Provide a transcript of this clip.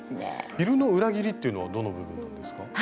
「昼の裏切り」っていうのはどの部分なんですか？